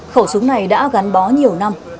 khẩu súng này đã gắn bó nhiều năm